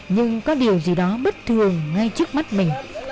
nhưng có điều gì đó bất thường ngay trước mắt mình